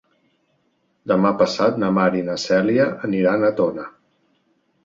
Demà passat na Mar i na Cèlia aniran a Tona.